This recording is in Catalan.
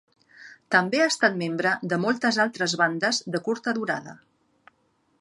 També ha estat membre de moltes altres bandes de curta durada.